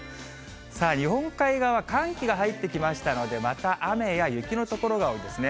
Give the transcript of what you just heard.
さあ、日本海側は寒気が入ってきましたので、また雨や雪の所が多いですね。